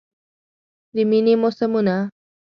د میینې موسمونه